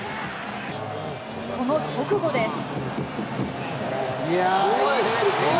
その直後です。